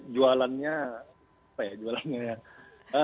jualannya apa ya jualannya ya